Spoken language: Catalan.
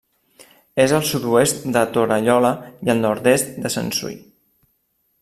És al sud-oest de Torallola i al nord-est de Sensui.